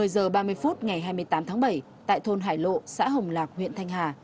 một mươi giờ ba mươi phút ngày hai mươi tám tháng bảy tại thôn hải lộ xã hồng lạc huyện thanh hà